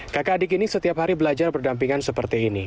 kakak adik ini setiap hari belajar berdampingan seperti ini